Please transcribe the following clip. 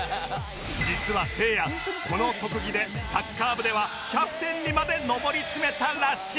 実はせいやこの特技でサッカー部ではキャプテンにまで上り詰めたらしい